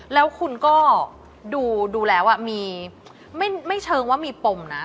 แล้วคุณก็ดูแล้วมีไม่เชิงว่ามีปมนะ